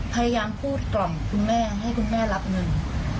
พยายามพูดกล่อมคุณแม่ให้คุณแม่รับเงิน